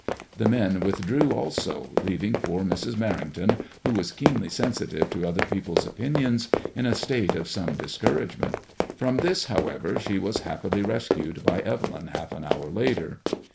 The men withdrew also, leaving poor Mrs. Menington, who was keenly sensitive to other people's opinions, in a state of some dis couragement. From this, how ever, she was happily rescued by Evelyn, half an hour later.